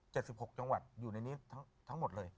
สิบหกจังหวัดอยู่ในนี้ทั้งหมดเลย